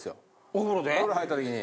お風呂入ったときに。